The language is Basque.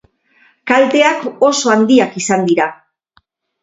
Kalteak oso handiak izan dira.